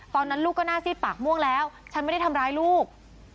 ตอนนั้นลูกก็หน้าซีดปากม่วงแล้วฉันไม่ได้ทำร้ายลูก